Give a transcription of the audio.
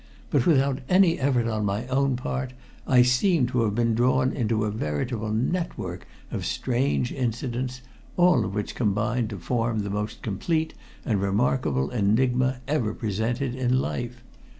But, without any effort on my own part, I seemed to have been drawn into a veritable network of strange incidents, all of which combined to form the most complete and remarkable enigma ever presented in life.